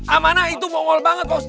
amanah itu mongol banget pausat